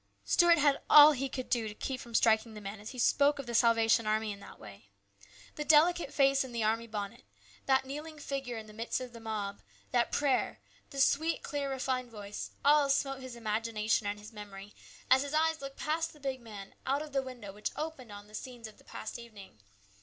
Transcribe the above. Stuart had all he could do to keep from striking the man as he spoke of the Salvation Army in that way. That delicate face in the army bonnet, that kneeling figure in the midst of the mob, that prayer, the sweet, clear, refined voice, all smote his imagina tion and memory as his eyes looked past the big man, out of the window which opened on the scenes of the past evening.